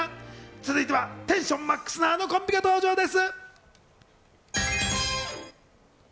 続いてはテンションマックスなあのコンビが登場です。